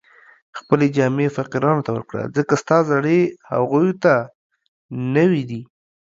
خپلې جامې فقیرانو ته ورکړه، ځکه ستا زړې هغو ته نوې دي